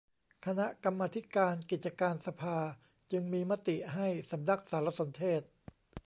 คณะกรรมาธิการกิจการสภาจึงมีมติให้สำนักสารสนเทศ